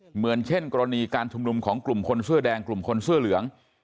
เหมือนเช่นกรณีการชุมนุมของกลุ่มคนเสื้อแดงกลุ่มคนเสื้อเหลือง